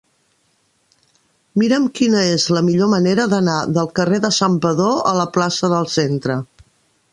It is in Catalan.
Mira'm quina és la millor manera d'anar del carrer de Santpedor a la plaça del Centre.